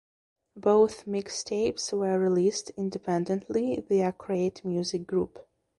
Both mixtapes were released independently via Create Music Group.